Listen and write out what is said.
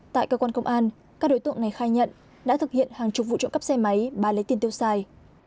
tại cơ quan công an các đối tượng này khai nhận đã thực hiện hàng chục vụ trộm cắp xe máy ba lấy tiền tiêu xài